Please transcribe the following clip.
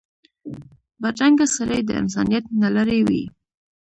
بدرنګه سړی د انسانیت نه لرې وي